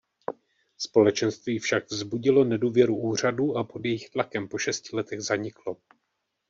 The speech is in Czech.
Společenství však vzbudilo nedůvěru úřadů a pod jejich tlakem po šesti letech zaniklo.